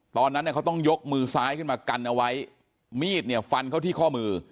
ตอนนั้นเนี่ยเขาต้องยกมือซ้ายขึ้นมากันเอาไว้มีดเนี่ยฟันเข้าที่ข้อมือ